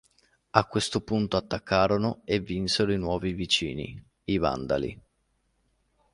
A questo punto attaccarono e vinsero i nuovi vicini, i Vandali.